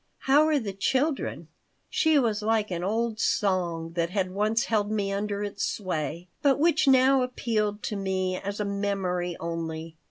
How are the children?" She was like an old song that had once held me under its sway, but which now appealed to me as a memory only.